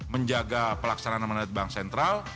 menjaga pelaksanaan amanat bank sentral